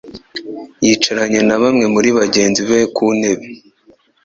yicaranye na bamwe muri bagenzi be ku ntebe.